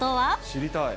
知りたい。